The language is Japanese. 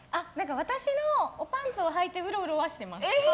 私のおパンツをはいてうろうろはしてます。